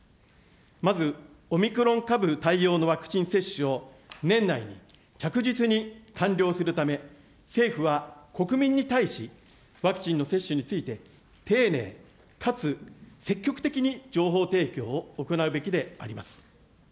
まず、オミクロン株対応のワクチン接種を年内に着実に完了するため、政府は国民に対し、ワクチンの接種について、丁寧にかつ積極的に情報提供を行うべきであります。